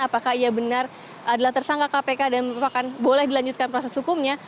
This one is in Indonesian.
apakah ia benar adalah tersangka kpk dan boleh dilanjutkan proses hukumnya